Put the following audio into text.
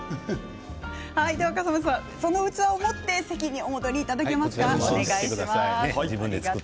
笠松さん、この器を持って席にお戻りいただけますか。